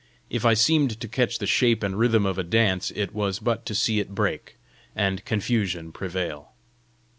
If I seemed to catch the shape and rhythm of a dance, it was but to see it break, and confusion prevail.